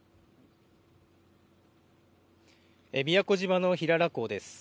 宮古島の平良港です。